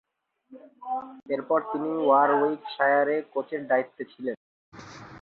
এরপর তিনি ওয়ারউইকশায়ারের কোচের দায়িত্বে ছিলেন।